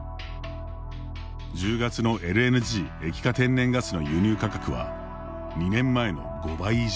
１０月のＬＮＧ・液化天然ガスの輸入価格は２年前の５倍以上。